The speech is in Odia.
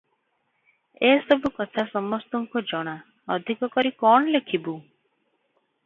ଏ ସବୁ କଥା ସମସ୍ତଙ୍କୁ ଜଣା, ଅଧିକ କରି କଣ ଲେଖିବୁଁ?